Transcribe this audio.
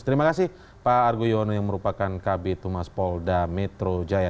terima kasih pak argo yono yang merupakan kb tumas polda metro jaya